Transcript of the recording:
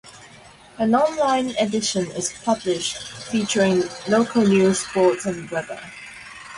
An online edition is published, featuring local news, sport and weather.